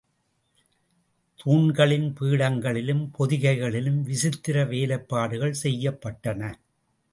தூண்களின் பீடங்களிலும் பொதிகைகளிலும், விசித்திர வேலைப்பாடுகள் செய்யப்பட்டன.